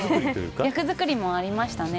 役作りもありましたね。